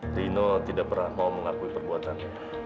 rino tidak pernah mau mengakui perbuatan